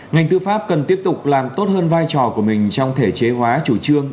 ngành tư pháp cần tiếp tục làm tốt hơn vai trò của mình trong thể chế hóa chủ trương